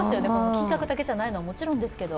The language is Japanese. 金額だけじゃないのはもちろんですけど。